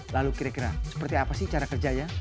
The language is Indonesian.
lalu kira kira seperti apa sih cara kerjanya